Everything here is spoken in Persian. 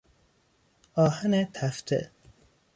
آهن تفته